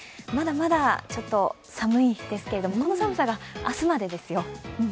まだまだちょっと寒いですけれども、この寒さが明日までです。